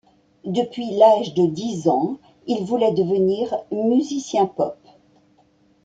Depuis l'âge de dix ans, il voulait devenir musicien pop.